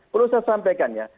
perlu saya sampaikan ya